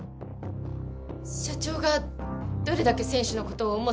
社長がどれだけ選手の事を思っていたか。